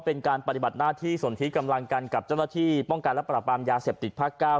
เป็นการปฏิบัติหน้าที่สนทิศกำลังกันกับเจ้าหน้าที่ป้องการรับปรบรามยาเสพติดพกาว